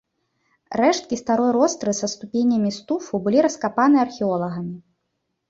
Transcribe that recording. Рэшткі старой ростры са ступенямі з туфу былі раскапаны археолагамі.